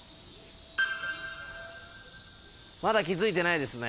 まだ気付いてないね。